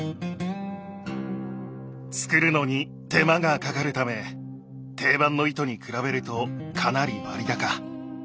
作るのに手間がかかるため定番の糸に比べるとかなり割高。